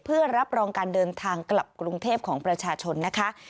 เพื่อรับรองการเดินทางกลับกรุงเทพของประชาชนนะคะ